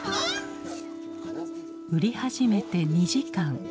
売り始めて２時間。